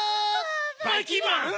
ばいきんまん！